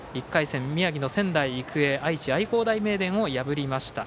１回戦、宮城の仙台育英愛知、愛工大名電を破りました。